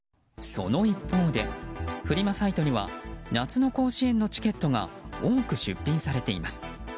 その一方で、フリマサイトには夏の甲子園のチケットが多く出品されています。